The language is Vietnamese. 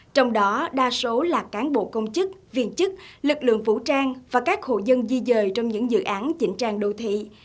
trong đó đa số là cán bộ công chức viên chức lực lượng vũ trang và các hộ dân di dời trong những dự án chỉnh trang đô thị